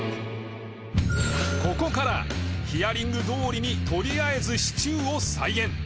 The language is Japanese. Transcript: ここからヒアリングどおりにとりあえずシチューを再現